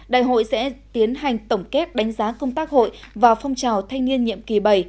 đại hội sẽ tiến hành tổng kết đánh giá công tác hội vào phong trào thanh niên nhiệm kỳ bảy